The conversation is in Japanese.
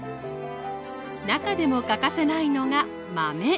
中でも欠かせないのが「豆」。